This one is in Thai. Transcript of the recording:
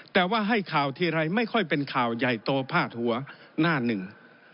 แต่ว่าให้ข่าวทีไรไม่ค่อยเป็นข่าวใหญ่โตพาดหัวหน้าหนึ่ง